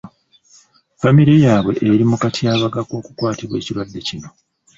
Ffamire yaabwe eri mu katyabaga k’okukwatibwa ekirwadde kino.